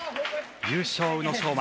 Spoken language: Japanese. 優勝は宇野昌磨